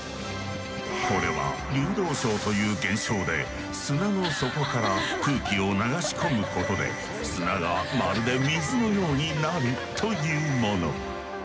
これは流動床という現象で砂の底から空気を流し込むことで砂がまるで水のようになるというもの。